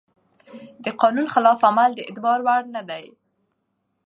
د قانون خلاف عمل د اعتبار وړ نه دی.